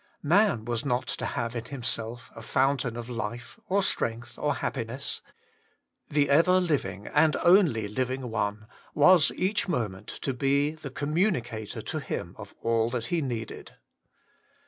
Man was not to have in himself a fountain of life, or strength, or happiness : the ever living and only living One was each moment to be the Communicator to him of all that he needed.